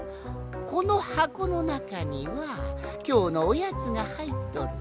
このはこのなかにはきょうのおやつがはいっとる。